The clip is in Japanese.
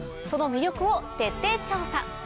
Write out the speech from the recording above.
その魅力を徹底調査。